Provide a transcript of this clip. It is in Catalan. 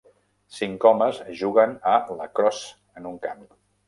Cinc homes juguen a lacrosse en un camp.